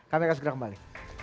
kami akan segera kembali